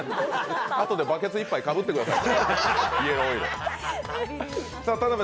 あとでバケツいっぱいかぶってください。